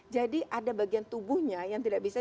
jadi ada bagian tubuhnya yang tidak bisa